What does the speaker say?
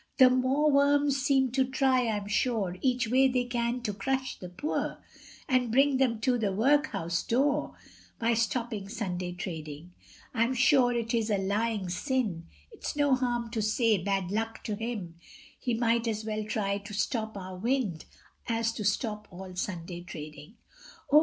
The mawworms seem to try, I'm sure, Each way they can to crush the poor, And bring them to the workhouse door, By stopping Sunday trading. I'm sure it is a lying sin, It's no harm to say, bad luck to him, He might as well try to stop our wind, As to stop all Sunday trading. Oh!